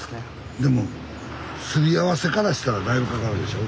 でもすりあわせからしたらだいぶかかるでしょ？